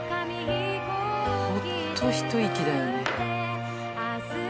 ほっとひと息だよね。